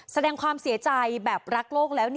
แสดงความเสียใจแบบรักโลกแล้ว